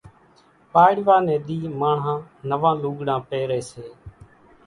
پاڙِوا ني ۮِي ماڻۿان نوان لوڳڙان پيري سي۔